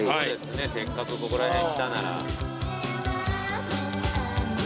せっかくここら辺来たなら。